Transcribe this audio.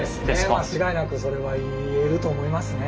間違いなくそれは言えると思いますね。